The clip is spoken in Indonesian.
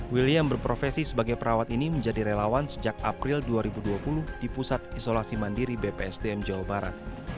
willy yang berprofesi sebagai perawat ini menjadi relawan sejak april dua ribu dua puluh di pusat isolasi mandiri bpsdm jawa barat